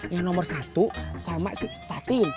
yang nomor satu sama si patin